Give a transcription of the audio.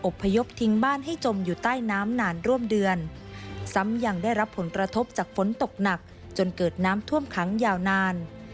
พยพทิ้งบ้านให้จมอยู่ใต้น้ำนานร่วมเดือนซ้ำยังได้รับผลกระทบจากฝนตกหนักจนเกิดน้ำท่วมขังยาวนาน